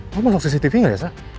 lo masuk cctv gak ya sa